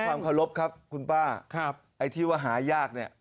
ด้วยความขอบครับคุณป้าไอที่ว่าหายากเนี่ย